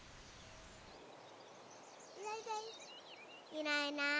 いないいない。